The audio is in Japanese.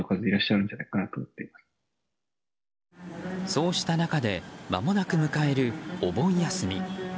そうした中でまもなく迎えるお盆休み。